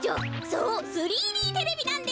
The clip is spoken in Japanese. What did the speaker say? そう３Ｄテレビなんです。